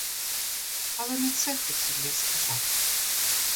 Але не це хотів я сказати.